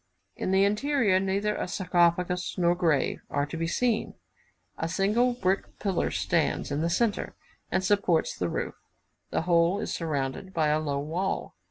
In the interior, neither a sarcophagus nor grave are to be seen; a single brick pillar stands in the centre, and supports the roof. The whole is surrounded by a low wall.